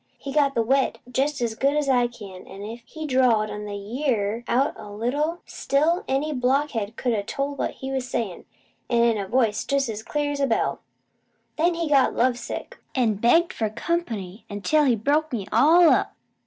He got the `wet' jest as good as I can, an', if he drawed the `ye ar' out a little, still any blockhead could a told what he was sayin', an' in a voice pretty an' clear as a bell. Then he got love sick, an' begged for comp'ny until he broke me all up.